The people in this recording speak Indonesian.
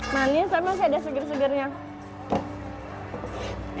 nah ini saya masih ada segar segarnya